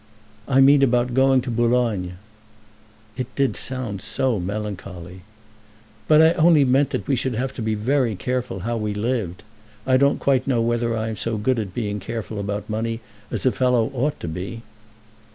"I mean about going to Boulogne." "It did sound so melancholy." "But I only meant that we should have to be very careful how we lived. I don't know quite whether I am so good at being careful about money as a fellow ought to be."